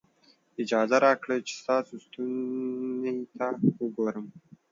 اجازه راکړئ چې ستا ستوني ته وګورم.